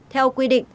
theo quy định